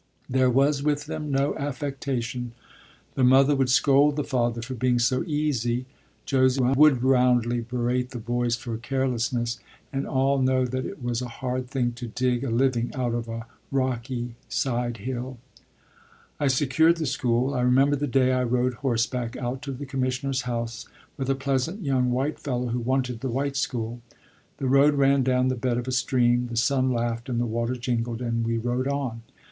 There was with them no affectation. The mother would scold the father for being so "easy"; Josie would roundly berate the boys for carelessness; and all know that it was a hard thing to dig a living out of a rocky side hill. I secured the school. I remember the day I rode horseback out to the commissioner's house with a pleasant young white fellow who wanted the white school. The road ran down the bed of a stream; the sun laughed and the water jingled, and we rode on.